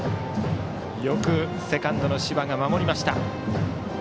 よくセカンドの柴、守りました。